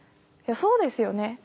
そうですよね。